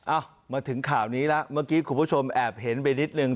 มาถึงข่าวนี้แล้วเมื่อกี้คุณผู้ชมแอบเห็นไปนิดนึง